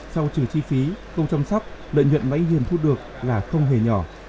sau trừ chi phí công chăm sóc lợi nhuận mà anh hiền thu được là không hề nhỏ